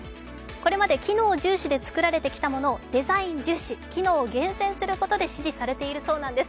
これまで機能重視で作られてきたものをデザイン重視で支持されているそうなんです。